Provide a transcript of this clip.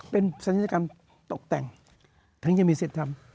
เป็นศัลยกรรมตกแต่งถึงจะมีสิทธิ์ทำ